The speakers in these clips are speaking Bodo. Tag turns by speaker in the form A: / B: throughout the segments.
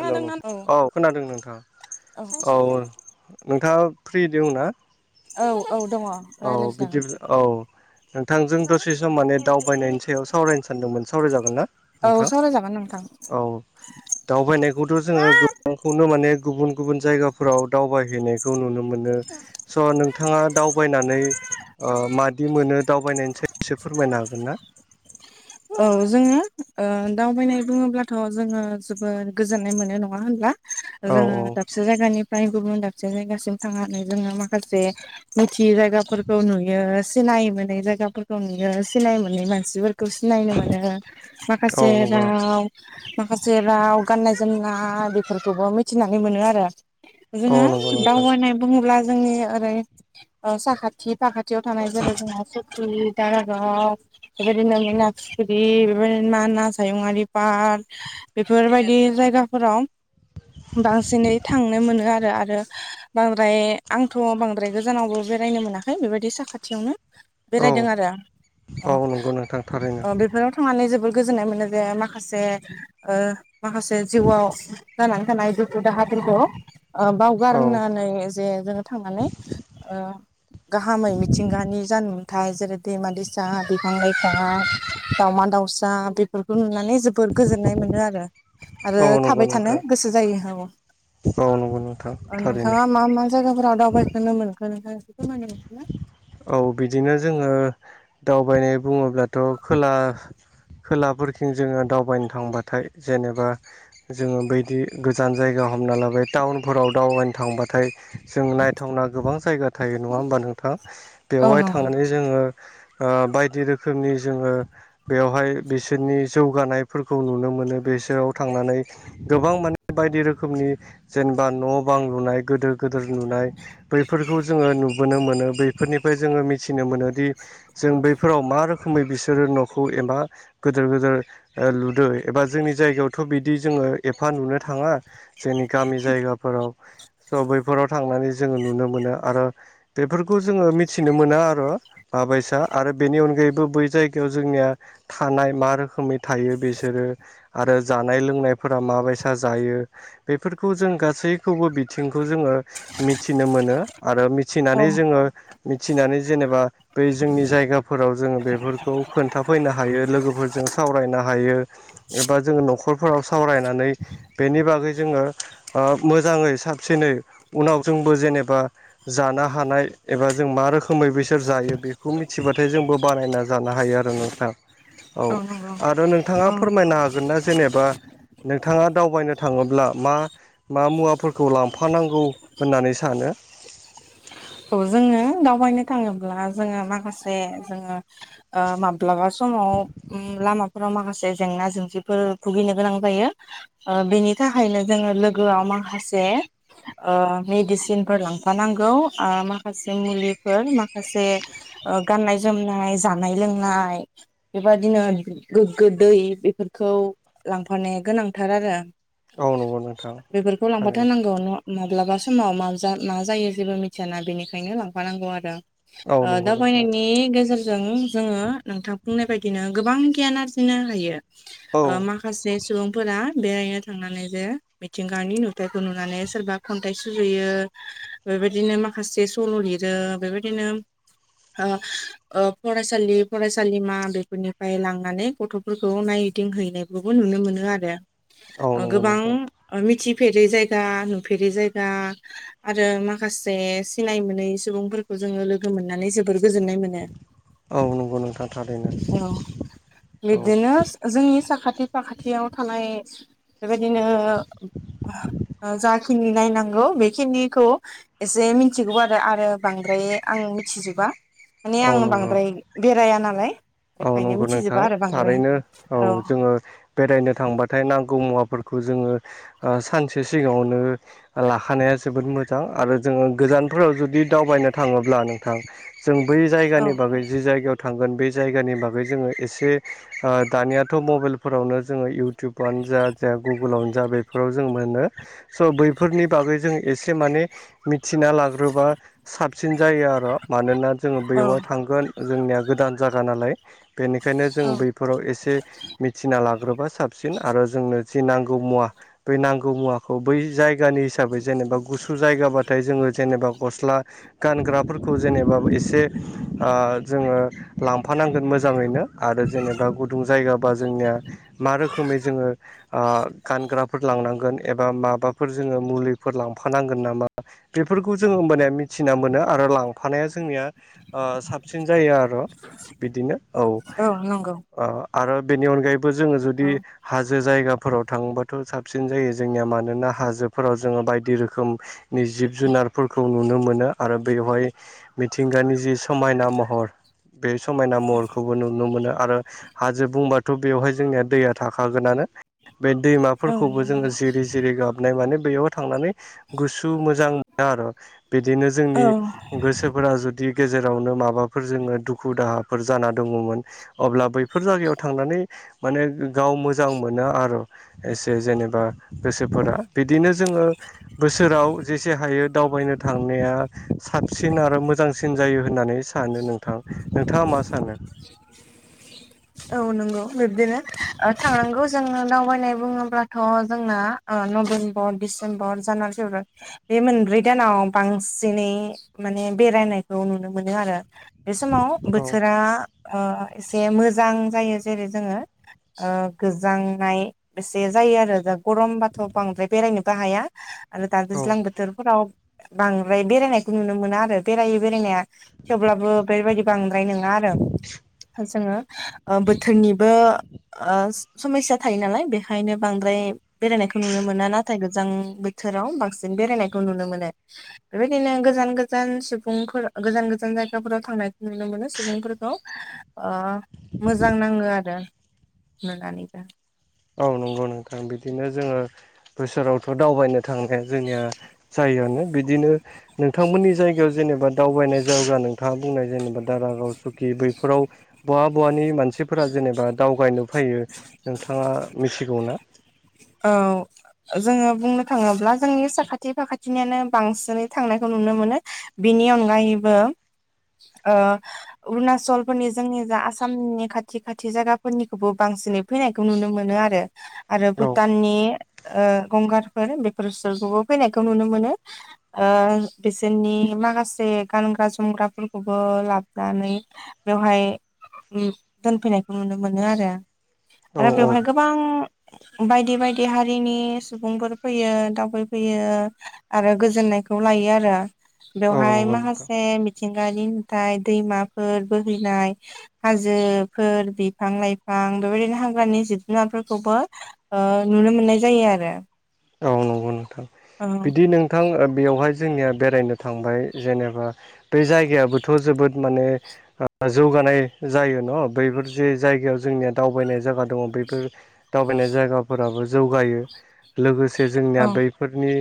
A: हेलौ नों औ खोनादों नोंथां औ नोंथाङा फ्रि दङ ना?
B: औ औ दङ।
A: औ
B: रायज्लायजागोन
A: बिबदि औ नोंथांजों दसे सम माने दावबायनायनि सायाव सावरायनो सानदोंमोन सावराय जागोनना
B: औ
A: नोंथां?
B: सावरायजागोन नोंथां
A: औ दावबायनायखौथ' जोङो गोबां खौनो माने गुबुन गुबुन जायगाफोराव दावबाय हैनायखौ नुनो मोनो स' नोंथाङा दाव दावबायनानै ओ मादि मोनो दावबायनायनि सायाव एसे फोरमायनो हागोनना?
B: औ जोङो ओ दावबायनाय बुङोब्लाथ' जोङो जोबोद गोजोननाय मोनो नङा होनब्ला?
A: औ
B: जोङो
A: औ
B: दाबसे जायगानिफ्राय गुबुन दाबसे जायगासिम थांनानै जोङो माखासे मिथियै जायगाफोरखौ नुयो सिनाय मोनै जायगाफोरखौ नुयो सिनाय मोनै मानसिफोरखौ सिनायनो मोनो
A: औ
B: माखासे
A: नंगौ
B: राव माखासे राव गाननाय जोमनाय बेफोरखौबो मिथिनानै मोनो आरो।
A: औ
B: जोङो
A: नंगौ नोंथां
B: दावबायनाय बुङोब्ला जोंनि ओरै ओ साखाथि फाखा थियाव थानाय जेरै जोंहा सुखि दारागाव बेबादिनो जोंना बेदि मानास हायुङारि पार्क बेफोरबायदि जायगाफोराव बांसिनै थांनो मोनो आरो आरो बांद्राय आंथ' बांद्राय गोजानावबो बेरायनो मोनाखै बेबायदि साखाथियावनो
A: औ
B: बेरायदों आरो औ
A: नोंथां थारै
B: अ बेफोराव थांनानै जोबोर गोजोननाय मोनो जे माखासे ओ माखासे जिउवाव जानानै थानाय दुखु दाहा फोरखौ ओ
A: औ
B: बावगारनानै जे जोङो थांनानै ओ गाहामै मिथिंगानि जा नु थाय जेरै दैमा दैसा बिफां लाइफां दाउमा दाउसा बेफोरखौ नुनानै जोबोर गोजोननाय मोनो आरो।
A: औ
B: आरो
A: नंगौ
B: थाबाय थानो
A: नोंथां
B: गोसो जायो औ
A: औ नंगौ नोंथां
B: ओ
A: थारैनो
B: नोंथाङा मा मा जायगाफोराव दावबायखोनो मोनखो नोंथां एसे फोरमायनो हागोनना?
A: औ बिदिनो जोङो दावबायनाय बुङोब्लाथ' खोला खोलाफोरखिं जोङो दावबायनो थांबाथाय जेनेबा जोङो बैदि गोजान जायगायाव हाबना लाबाय टाउनफोराव दावबायनो थांबाथाय जों नायथावना गोबां जायगा थायो नङा होमबा नोंथां
B: औ
A: बेवहाय
B: नंगौ
A: थांनानै जोङो ओ बायदि रोखोमनि जोङो बेवहाय बिसोरनि जौगानायफोरखौ नुनो मोनो बिसोराव थांनानै गोबां माने बायदि रोखोमनि जेनबा न' बां लुनाय गोदोर गोदोर लुनाय। बैफोरखौ जोङो नुबोनो मोनो बैफोरनिफ्राय जोङो मिथिनो मोनोदि जों बैफोराव मा रोखोमै बिसोरो न'खौ एबा गोदोर गोदोर ओ लुदो एबा जोंनि जायगायावथ' बिदि जोङो एफा नुनो थाङा जोंनि गामि जायगाफोराव स' बैफोराव थांनानै जोङो नुनो मोनो आरो बेफोरखौ जोङो मिथिनो मोना आरो माबायसा आरो बेनि अनगायैबो बै जाय गायाव जोंनिया थानाय मा रोखोमै थायो बेसोरो आरो जानाय लोंनायफोरा माबायसा जायो। बेफोरखौ जों गासैखौबो बिथिंखौ जोङो मिथिनो मोनो। आरो मिथिनानै
B: औ
A: जोङो मिथिनानै जेनेबा बै जोंनि जायगाफोराव जोङो बेफोरखौ खोन्था फैनो हायो लोगोफोरजों सावरायनो हायो। एबा जोङो न'खरफोराव सावरायनानै बेनि बागै जोङो ओ मोजाङै साबसिनै उनाव जोंबो जेनेबा जानो हानाय एबा जों मा रोखोमै बैसोर जायो बेखौ मिथिबाथाय जोंबो बानायना जानो हायो आरो नोंथां औ
B: नंगौ
A: आरो नोंथाङा
B: औ
A: फोरमायनो हागोन ना जेनेबा नोंथाङा दावबायनो थाङोब्ला मा मा मुवाफोरखौ लांफानांगौ होननानै सानो?
B: औ जोङो दावबायनो थाङोब्ला जोङो माखासे जोङो माब्लाबा समाव लामाफोराव माखासे जेंना जेंसिफोर भुगिनो गोनां जायो बेनि थाखायनो जोङो लोगोआव माखासे मेडिसिनफोर लांफानांगौ माखासे मुलिफोर माखासे गाननाय जोमनाय जानाय लोंनाय बेबादिनो गोग्गो दै बेफोरखौ लांफानाया गोनांथार आरो
A: औ नंगौ नोंथां
B: बेफोरखौ
A: थारैनो
B: लांफाथारनांगौ न' माब्लाबा समाव मा जायो जेबो मिथियाना बेनिखायनो लांफानांगौ आरो
A: औ नंगौ नोंथां
B: दावबायनायनि गेजेर जों जोङो नोंथां बुंनाय बायदिनो गोबां गियान आरजिनो हायो।
A: औ
B: माखासे सुबुंफोरा बेरायनो थांनानै जे मिथिंगानि नुथाइखौ नुनानै सोरबा खन्थाइ सुजुयो बेबायदि बिदिनो माखासे सल' लिरो बेबायदिनो फरायसालि फरायसालिमा बेफोरनिफ्राय लांनानै गथ'फोरखौ नायदिंहैनाय बेखोबो नुनो मोनो आरो
A: औ नंगौ
B: गोबां
A: नोंथां
B: मिथिफेरै जायगा नुफेरै जायगा आरो मा माखासे सिनाय मोनै सुबुंफोरखौ जोङो लोगो मोननानै जोबोर गोजोननाय मोनो।
A: नंगौ नोंथां थारैनो
B: औ
A: औ
B: बिदिनो जोंनि साखाथि फाखाथियाव थानाय बेबायदिनो जाखिनि नायनांगौ बेखिनिखौ एसे मिथिगौ आरो आरो बांद्राय आं मिथिजोबा माने
A: औ
B: आं
A: नंगौ
B: बांद्राय बेराया नालाय
A: औ
B: बेखायनो
A: नंगौ
B: मिथिजोबा
A: नोंथां
B: आरो बांद्राय
A: थारैनो औ जोङो बेरायनो थांबाथाय नांगौ मुवाफोरखौ जोङो ओ सानसे सिगाङावनो लाखानाया जोबोद मोजां आरो जोङो गोजानफोराव जुदि दावबायनो थाङोब्ला नों थां जों बै
B: औ
A: जायगानि बागै जि जायगायाव थांगोन बे जायगानि बागै जोङो एसे ओ दानियाथ' मबाइलफोरावनो जोङो इउ इउटुबानो जा जा गुगोलावनो जा बेफोराव जों मोनो स' बैफोरनि बागै जों एसे माने मिथिना लाग्रोबा साबसिन जायो आर' मानोना जोङो
B: औ
A: बेयावहाय थांगोन जोंनिया गोदान जागा नालाय बेनिखायनो जों
B: औ
A: बै फोराव एसे मिथिना लाग्रोबा साबसिन आरो जोंनो जि नांगौ मुवा बै नांगौ मुवाखौ बै जायगानि हिसाबै जेनेबा गुसु जायगाबाथाय जोङो जेनेबा गस्ला गानग्राफोरखौ जेनेबाबो एसे ओ जोङो लांफानांगोन मोजाङैनो आरो जेनेबा गुदुं जायगाबा जोंनिया मा रोखोमै जोङो ओ गानग्राफोर लांनांगोन एबा माबाफोर जोङो मुलिफोर लांफानांगोन नामा बेफोरखौ जोङो होमबानिया मिथिना मोनो आरो लांफानाया जोंनिया ओ साबसिन जायो आरो बिदिनो औ ओ आरो बेनि अनगायैबो जोङो जुदि
B: औ
A: हाजो जायगाफोराव थांबाथ' साबसिन जायो जोंनिया मानोना हाजोफोराव जोङो बायदि रोखोम नि जिब-जुनारफोरखौ नुनो मोनो आरो बेवहाय मिथिंगानि जि समायना महर बे समायना महरखौबो नुनो मोनो आरो हाजो बुंबाथ' बेवहाय जोंनिया दैया थाखागोनानो बे
B: औ
A: दैमाफोरखौबो जोङो जिरि जिरि गाबनाय माने बेयाव थांनानै गुसु मोजां मोनो आरो बिदिनो जोंनि
B: औ
A: गोसोफोरा जुदि गेजेरावनो माबाफोर जोङो दुखु-दाहाफोर जाना दङ'मोन अब्ला बैफोर जायगायाव थांनानै माने गाव मोजां मोनो आरो एसे जेनेबा गोसोफोरा बिदिनो जोङो बोसोराव जेसे हायो दावबायनो थांनाया साबसिन आरो मोजांसिन जायो होननानै सानो नोंथां, नोंथाङा मा सानो?
B: [inaudible] औ नंगौ बिब्दिनो ओ थांनांगौ जों दावबायनाय बुङोब्लाथ' जोंना ओ नभेमबर, डिसेम्बर, जानुवारि, फेब्रुवारि बे मोनब्रै दानाव बांसिनै माने बेरायनायखौ नुनो मोनो आरो बे समाव
A: औ
B: बोथोरा ओ एसे मोजां जायो जेरै जोङो ओ गोजांनाय एसे जायो आरो दा गरमबाथ' बांद्राय बेरायनोबो हाया आरो दा
A: औ
B: दैज्लां बोथोरफोराव बांद्राय बेरायनायखौ नुनो मोना आरो बेरायो बेरायनाया थेवब्लाबो बेबायदि बांद्राय नोङा आरो जोङो ओ बोथोरनिबो ओ समस्या थायो नालाय बेखायनो बांद्राय बेरायनायखौ नुनो मोना नाथाय गोजां बोथोराव बांसिन बेरायनायखौ नुनो मोनो बेबायदिनो गोजान गोजान सुबुंफोर गोजान गोजान जायगाफोराव थांनायखौ नुनो मोनो सुबुंफोरखौ ओ मोजां नाङो आरो नुनानैबो
A: औ नंगौ नोंथां बिदिनो जोङो बोसोरावथ' दावबायनो थांनाया जोंनिया जायोआनो बिदिनो नोंथांमोननि जायगायाव जेनेबा दावबायनाय जायगा नोंथाङा बुंनाय जेनेबा दारागाव, सुकि बैफोराव बहा बहानि मानसिफोरा जेनेबा दावबायनो फैयो नोंथाङा मिथिगौना?
B: औ जोङो बुंनो थाङोब्ला जोंनि साखाथि फाखाथिनियानो बांसिनै थांनायखौ नुनो मोनो बिनि अनगायैबो ओ अरुणचलफोरनि जोंनि जा आसामनि खाथि खाथि जायगाफोरनिखौबो बांसिनै फैनायखौ नुनो मोनो आरो आरो
A: औ
B: भुताननि ओ गंगारफोर बेफोरसफोरखौबो फैनायखौ नुनो मोनो ओ बिसोरनि माखासे गानग्रा जोमग्राफोरखौबो लाबनानै बेवहाय दोनफैनायखौ नुनो मोनो आरो
A: औ
B: आरो
A: औ
B: बेवहाय गोबां बायदि बायदि हारिनि सुबुंफोर फैयो दावबायफैयो आरो गोजोननायखौ लायो आरो
A: औ
B: बेवहाय
A: नंगौ नोंथां
B: माखासे मिथिंगानि नुथाय दैमाफोर बोहैनाय हाजोफोर बिफां लाइफां बेबायदिनो हाग्रानि जिब जुनारफोरखौबो ओ नुनो मोननाय जायो आरो
A: औ नंगौ नोंथां
B: औ
A: बिदि नोंथां बेयावहाय जोंनिया बेरायनो थांबाय जेनेबा बे जायगायाबोथ' जोबोद माने जौगानाय जायो न' बैफोर जे जायगायाव जोंनिया दावबायनाय जायगा दङ बैफोर दावबायनाय जायगाफोराबो जौगायो लोगोसे जोंनिया
B: औ
A: बेफोरनि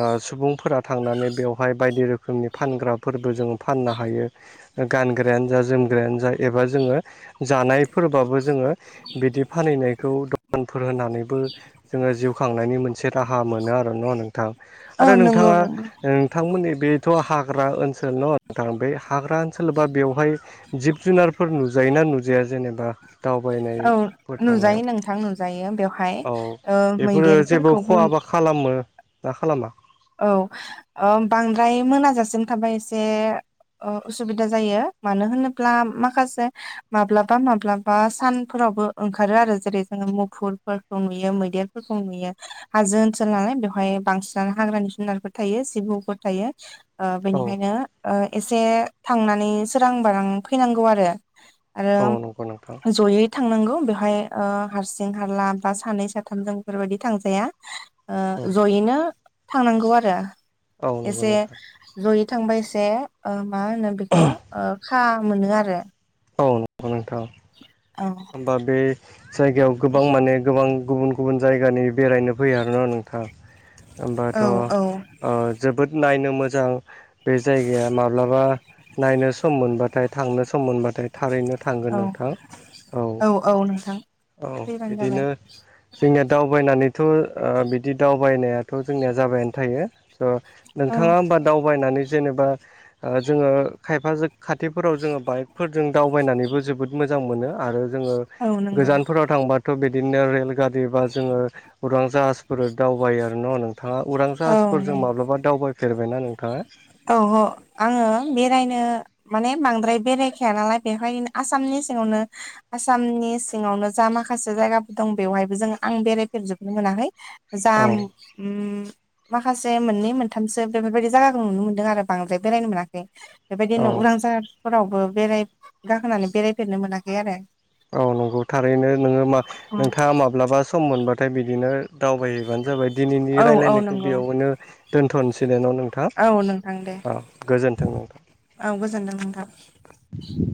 A: ओ सुबुंफोरा थांनानै बेवहाय बायदि रोखोमनि फानग्राफोरबो जों फाननो हायो गानग्रायानो जा जोमग्रायानो जा एबा जोङो जानायफोरबाबो जोङो बिदि फानहैनायखौ दखानफोर होनानैबो जोङो जिउ खांनायनि मोनसे राहा मोनो न नोंथां
B: औ
A: आरो
B: नंगौ
A: नोंथाङा
B: नंगौ
A: नोंथांमोननि बेथ' हाग्रा ओनसोल न नोंथां बे हाग्रा ओनसोलबा बेवहाय जिब जुनारफोर नुजायोना नुजाया जेनेबा
B: औ
A: दावबायनायफोर
B: नुजायो
A: थांनायाव
B: नोंथां नुजायो बेवहाय
A: औ
B: ओ
A: बेफोरो जेबो
B: मैदेरफोरखौबो
A: खहा बा खालामो ना खालामा
B: औ ओ बांद्राय मोनाजासिम थाबा एसे ओ उसुबिदा जायो मानो होनोब्ला माखासे माब्लाबा माब्लाबा सानफोरावबो ओंखारो आरो जेरै जोङो मुफुरफोर नुयो मैदेरफोरखौ नुयो हाजो ओनसोल नालाय बेवहाय बांसिनानो हाग्रानि जुनारफोर थायो सिंहफोर थायो
A: औ
B: बेनिखायनो एसे थांनानै सोरां बारां फैनांगौ आरो।
A: औ नंगौ नोंथां
B: आरो जयै थांनांगौ बेवहाय हारसिं हारला बा सानै साथाम जों बेफोरबायदि थांजाया।
A: औ
B: जयैनो थांनांगौ आरो
A: औ नंगौ
B: एसे
A: नोंथां
B: जयै थांबा एसे मा होनो बेखौ खा मोनो आरो
A: औ नंगौ नोंथां।
B: औ।
A: बा बे जायगायाव गोबां माने गोबां गुबुन गुबुन जायगानि बेरायनो फैयो आरोना नोंथां होमबाथ'
B: औ औ
A: जोबोद नायनो मोजां बे जायगाया माब्लाबा नायनो सम मोनबाथाय थांनो सम मोन। नाथाय थारैनो थांगोन
B: औ
A: नोंथां औ
B: औ नोंथां
A: औ
B: फैबानो जाबाय
A: बिदिनो जोंनिया दावबायनानैथ' बिदि दावबायनायाथ' जोंनिया जाबायानो थायो।
B: औ
A: नोंथाङा होमबा दावबायनानै जेनेबा जोङो खायफा खाथिफोराव जोङो बाइकफोरजों दावबायनानैबो जोबोद मोजां मोनो आरो जोङो
B: औ नंगौ
A: गोजान। फ्राव थांबाथ' बिदिनो रेल गारि बा जोङो उरां जाहाजफोर दावबायायो आरो न' नोंथां। नोंथाङा उरां
B: औ नंगौ
A: जाहाजफोरजों माब्लाबा दावबायफेरबायना नोंथाङा।
B: औ औ आङो बेरायनो माने बांद्राय बेरायखाया नालाय बेहायनोनो आसामनि सिङावनो आसामनि सिङावनो जा माखासे जायगाफोर दं बेवहायबो जों आं बेरायफेरजोबनो मोनाखै।
A: औ
B: जाम माखासे मोननै मोनथामसो बेफोरबायदि जायागाखौ नुनो मो दों आरो बांद्राय बेरायनो मोनाखै बेबायदिनो
A: औ
B: उरांजाहार फोरावबो बेराय गाखोनानै बेरायफेरनो मोनाखै आरो
A: औ नंगौ थारैनो नोङो मा नोंथाङा माब्लाबा सम मोनबाथाय बिदिनो दावबायहैबानो जाबाय दिनैनि
B: औ औ
A: रायजलायनायखौ
B: नंगौ
A: बेयावनो दोन्थ'नसै न नों थां
B: औ नोंथां दे
A: अ गोजोन्थों नोंथां
B: औ गोजोनदों नोंथां।
A: [inaudible]